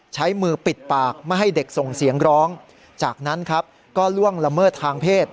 ใช้มือปิดปากไม่ให้เด็กส่งเสียงร้องจากนั้นครับก็ล่วงละเมิดทางเพศ